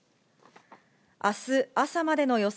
あす朝までの予想